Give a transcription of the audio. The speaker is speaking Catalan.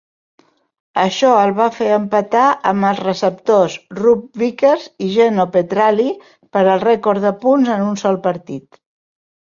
Això el va fer empatar amb els receptors Rube Vickers i Geno Petralli per al rècord de punts en un sol partit.